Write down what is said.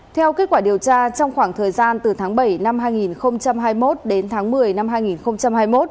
theo kết quả điều tra trong khoảng thời gian từ tháng bảy năm hai nghìn hai mươi một đến tháng một mươi năm hai nghìn hai mươi một